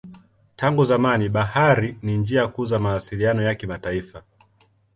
Tangu zamani bahari ni njia kuu za mawasiliano ya kimataifa.